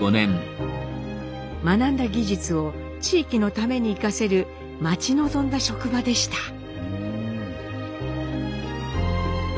学んだ技術を地域の為に生かせる待ち望んだ職場でした。